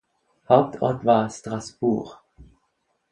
Hauptort war Strasbourg.